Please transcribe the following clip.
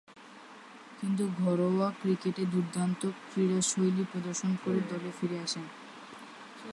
কিন্তু, ঘরোয়া ক্রিকেটে দূর্দান্ত ক্রীড়াশৈলী প্রদর্শন করে দলে ফিরে আসেন।